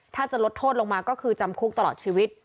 ถ้าจะลดโทษลงมาก็คือจำคุกตลอดชีวิต